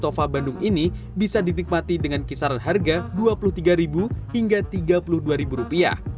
tova bandung ini bisa dinikmati dengan kisaran harga rp dua puluh tiga hingga rp tiga puluh dua